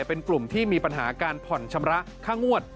เป็นกลุ่มที่มีปัญหาการผ่อนชำระค่างวด